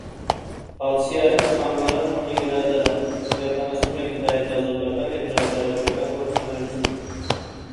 Բացի այդ, թանգարանն ունի գրադարան, իրականացնում է գիտահետազոտական և հրատարակչական գործունեություն։